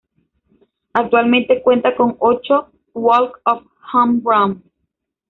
Actualmente cuenta con ocho walk-off home runs.